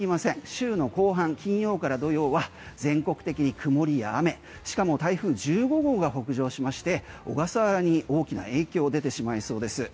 週の後半、金曜から土曜は全国的に曇りや雨しかも台風１５号が北上しまして小笠原に大きな影響が出てしまいそうです。